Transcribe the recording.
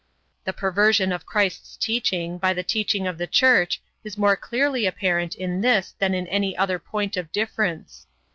The perversion of Christ's teaching by the teaching of the Church is more clearly apparent in this than in any other point of difference.